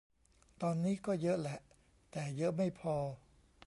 ตอนนี้ก็เยอะแหละ แต่เยอะไม่พอ